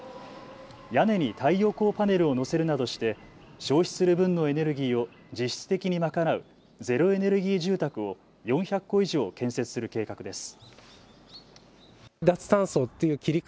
屋根に太陽光パネルを載せるなどして消費する分のエネルギーを実質的に賄うゼロエネルギー住宅を４００戸以上、建設する計画です。